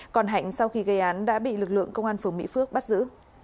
còn hạnh sau khi gây án đã bị lực lượng công an phường mỹ phước bắt giữ